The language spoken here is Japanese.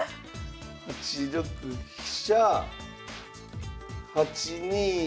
８六飛車８二歩成。